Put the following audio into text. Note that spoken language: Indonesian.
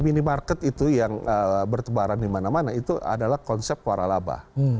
minimarket itu yang bertebaran dimana mana itu adalah konsep warah labah